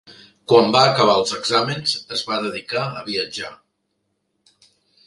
Quan va acabar els exàmens es va dedicar a viatjar.